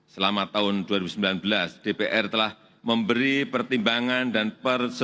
selain itu dpr juga telah memperkuat politik luar negeri indonesia